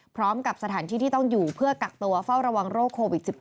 พร้อมกับสถานที่ที่ต้องอยู่เพื่อกักตัวเฝ้าระวังโรคโควิด๑๙